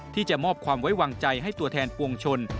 ที่จะมอบความไว้วางใจให้ตัวแทนปวงชน